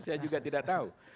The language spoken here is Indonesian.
saya juga tidak tahu